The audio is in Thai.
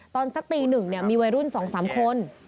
ตอนสักตีหนึ่งมีวัยรุ่นสองสามคน